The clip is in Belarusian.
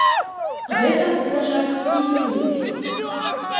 Гэта, на жаль, не змянілася.